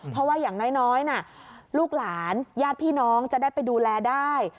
เพราะว่าอย่างน้อยลูกหลานญาติพี่น้องจะได้ไปดูแลได้